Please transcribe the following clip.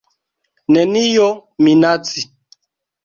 Nenio minaci.